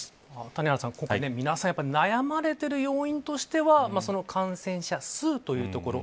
谷原さん、皆さん悩まれている要因としては感染者数というところ。